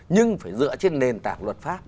nhưng phải dựa trên nền tảng luật pháp